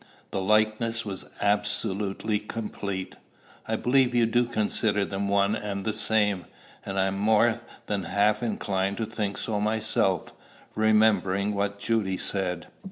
The likeness was absolutely complete." "I believe you do consider them one and the same; and I am more than half inclined to think so myself, remembering what Judy said."